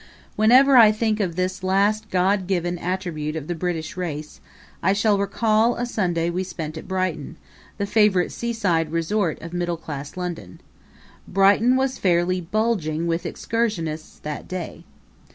Whenever I think of this last God given attribute of the British race, I shall recall a Sunday we spent at Brighton, the favorite seaside resort of middle class London. Brighton was fairly bulging with excursionists that day.